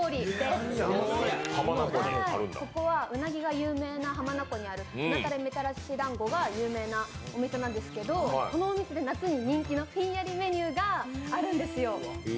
そこはうなぎが有名なうなたれみたらしかき氷が有名なお店なんですけど、このお店で夏に人気のひんやりメニューがあるんですよ。